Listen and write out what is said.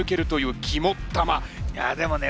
いやでもね